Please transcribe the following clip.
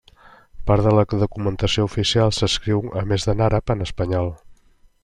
Part de la documentació oficial s'escriu a més d'en àrab, en espanyol.